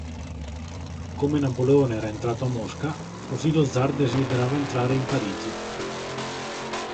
Come Napoleone era entrato a Mosca, così lo zar desiderava entrare in Parigi.